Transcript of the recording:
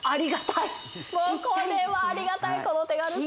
もうこれはありがたいこの手軽さ・